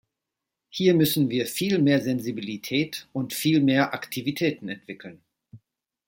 Hier müssen wir viel mehr Sensibilität und viel mehr Aktivitäten entwickeln.